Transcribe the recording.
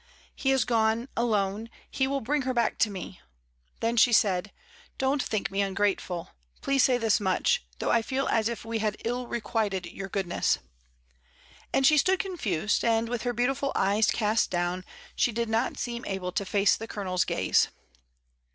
"He is gone — alone; he will bring her back to me." Then she said, "DonH think me ungrateful; please say this much, though I feel as if we had ill requited your goodness;" and she stood confused, and, with her beautiful eyes Mrs. Dymond. /. 5 66 MRS. DYMOND. cast down, she did not seem able to face the Colo nel's gaze.